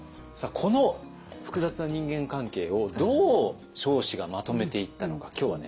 この複雑な人間関係をどう彰子がまとめていったのか今日はね